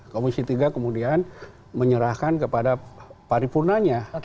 komisi tiga kemudian menyerahkan kepada paripurnanya